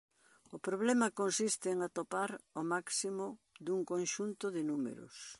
O problema consiste en atopar o máximo dun conxunto de números.